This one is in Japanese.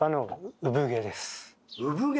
産毛？